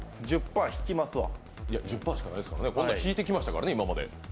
いや、１０％しかないですからね、引いてきましたから、今まで。